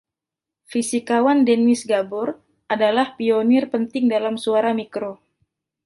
Fisikawan Dennis Gabor adalah pionir penting dalam suara mikro.